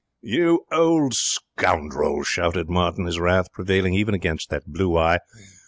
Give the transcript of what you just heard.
'You old scoundrel!' shouted Martin, his wrath prevailing even against that blue eye.